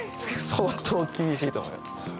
相当厳しいと思います